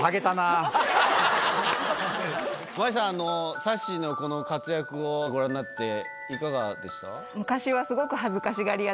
麻衣さんさっしーのこの活躍をご覧になっていかがでした？